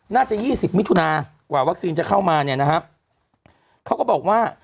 ยี่สิบมิถุนากว่าวัคซีนจะเข้ามาเนี่ยนะครับเขาก็บอกว่า